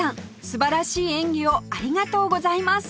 素晴らしい演技をありがとうございます！